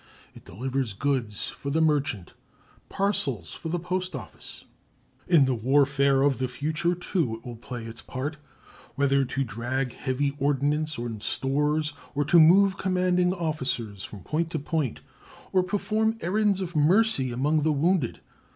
It delivers goods for the merchant; parcels for the post office. In the warfare of the future, too, it will play its part, whether to drag heavy ordnance and stores, or to move commanding officers from point to point, or perform errands of mercy among the wounded.